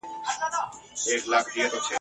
منبرونه یې نیولي جاهلانو !.